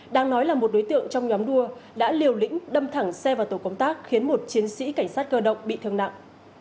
đang nói là một đối tượng trong nhóm đua đã liều lĩnh đâm thẳng xe vào tổ công tác khiến một chiến sĩ cảnh sát cơ động bị thương nặng